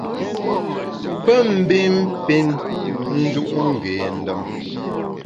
Pe mbin pin nju’ ngé ndem.